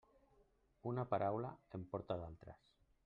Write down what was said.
Una paraula en porta d'altres.